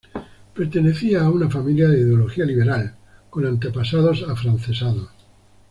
Pertenecía a una familia de ideología liberal, con antepasados afrancesados.